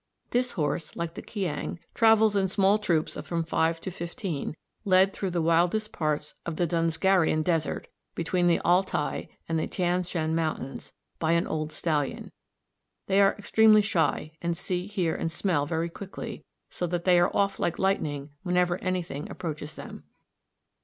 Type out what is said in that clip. This horse, like the Kiang, travels in small troops of from five to fifteen, led through the wildest parts of the Dsungarian desert, between the Altai and Tianschan Mountains, by an old stallion. They are extremely shy, and see, hear, and smell very quickly, so that they are off like lightning whenever anything approaches them.